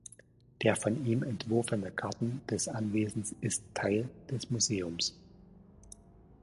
Der von ihm entworfene Garten des Anwesens ist Teil des Museums.